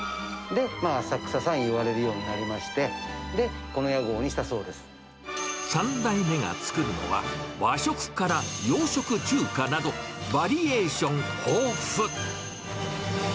あさくささんいわれるようになりまして、で、この屋号にしたそう３代目が作るのは、和食から洋食、中華など、バリエーション豊富。